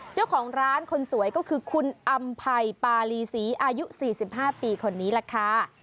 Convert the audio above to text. เจ้าของร้านคนสวยก็คือคุณอำภัยปารีศรีอายุ๔๕ปีคนนี้แหละค่ะ